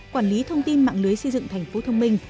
quản lý thông tin mạng lưới xây dựng thành phố thông minh